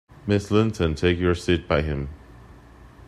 Miss Linton, take your seat by him.